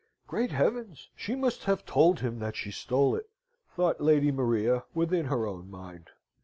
"Great heavens! she must have told him that she stole it!" thought Lady Maria within her own mind.